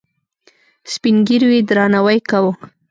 سپین ږیرو یې درناوی کاوه.